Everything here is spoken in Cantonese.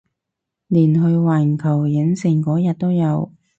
連去環球影城嗰日都有